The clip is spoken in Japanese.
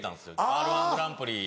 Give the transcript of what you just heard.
『Ｒ−１グランプリ』。